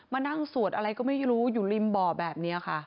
มานั่งสวดอะไรก็ไม่รู้อยู่ริมบ่อแบบนี้ค่ะ